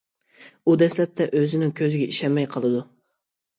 ئۇ دەسلەپتە ئۆزىنىڭ كۆزىگە ئىشەنمەي قالىدۇ.